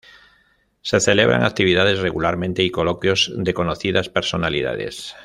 Se celebran actividades regularmente y coloquios de conocidas personalidades.